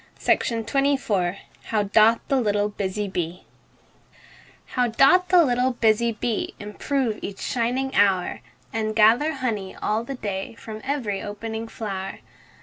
UNKNOWN HOW DOTH THE LITTLE BUSY BEE How doth the little busy bee Improve each shining hour, And gather honey all the day From every opening flow'r!